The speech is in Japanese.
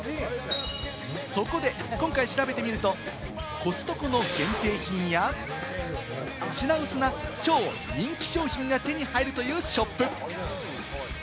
そこで今回調べてみると、コストコの限定品や品薄な超人気商品が手に入るというショップ。